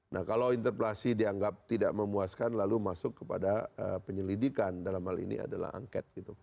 nah kalau interpelasi dianggap tidak memuaskan lalu masuk kepada penyelidikan dalam hal ini adalah angket gitu